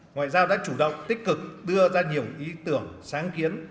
ngoại giao đã chủ động tích cực đưa ra nhiều ý tưởng sáng kiến